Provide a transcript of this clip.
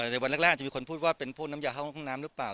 แต่วันแรกอาจจะมีคนพูดว่าเป็นพวกน้ำยาเข้าห้องน้ำหรือเปล่า